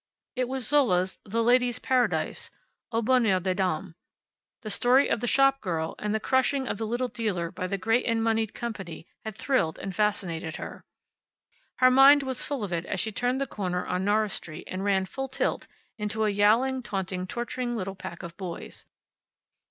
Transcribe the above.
It was Zola's "The Ladies' Paradise" (Au Bonheur des Dames). The story of the shop girl, and the crushing of the little dealer by the great and moneyed company had thrilled and fascinated her. Her mind was full of it as she turned the corner on Norris Street and ran full tilt, into a yowling, taunting, torturing little pack of boys.